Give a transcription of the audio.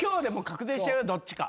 どっちか。